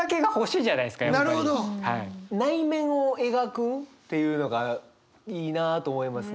なるほど！っていうのがいいなと思いますね。